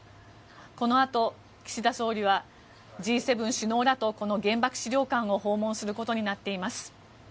このあと岸田総理はＧ７首脳らとこの原爆資料館を訪問することになっています。